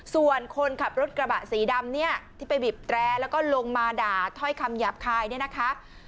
ส่วนคนขับรถกระบะสีดำเนี่ยที่ไปบีบแตรแล้วก็ลงมาด่าถ้อยคำหยาบคายเนี่ยนะคะ